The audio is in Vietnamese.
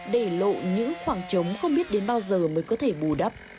để lộ những khoảng trống không biết đến bao giờ mới có thể bù đắp